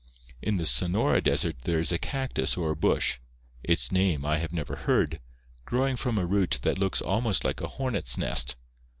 In the Sonora desert there is a cactus or a bush (its name I have never heard) growing from a root that looks almost like a hornet's nest.